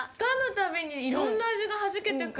たびにいろんな味がはじけてく。